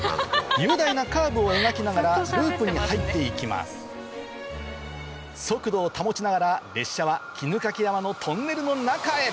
雄大なカーブを描きながらループに入って行きます速度を保ちながら列車は衣掛山のトンネルの中へ！